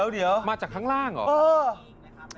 เดี๋ยวมาจากข้างล่างเหรอ